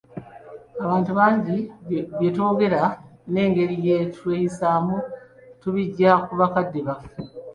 Abantu bangi bye twogera, n'engeri gye tweyisaamu tubijja ku bakadde baffe.